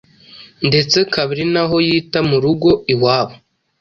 ndetse akaba ari naho yita mu rugo iwabo